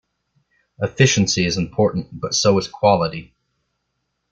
Efficiency is important, but so is quality.